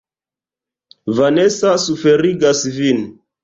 Vanesa suferigas vin.